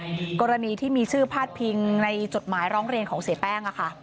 กรณีที่มีชื่อพาดพิงในจดหมายร้องเรียนของเสียแป้งอะค่ะ